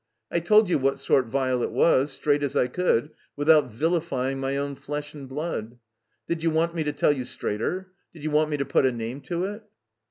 I told you what sort Virelet was, straight as I could, without vilifying my own flesh and blood. Did you want me to tell you straighter? Did you want me to put a name to it?"